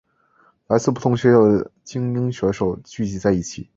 来自不同学校的菁英选手聚集在一起。